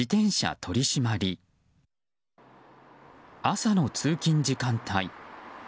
朝の通勤時間帯。